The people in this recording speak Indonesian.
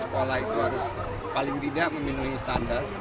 sekolah itu harus paling tidak memenuhi standar